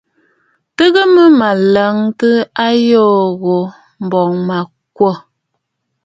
Tɨgə mə mə̀ lɔntə ayoo ghu mbo, m̀bɔŋ mə̀ kwô.